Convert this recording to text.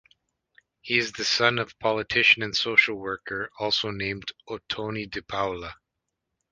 He is the son of politician and social worker also named Otoni de Paula.